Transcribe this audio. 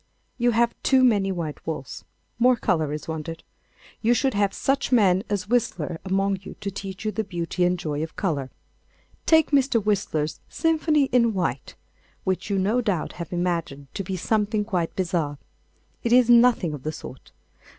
You have too many white walls. More colour is wanted. You should have such men as Whistler among you to teach you the beauty and joy of colour. Take Mr. Whistler's 'Symphony in White,' which you no doubt have imagined to be something quite bizarre. It is nothing of the sort.